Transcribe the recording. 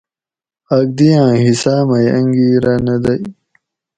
آک دیاۤں حصاۤ مئ انگیرہ نہ دئ